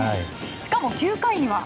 しかも９回には。